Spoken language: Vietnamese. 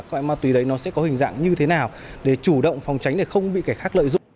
loại ma túy đấy nó sẽ có hình dạng như thế nào để chủ động phòng tránh để không bị kẻ khác lợi dụng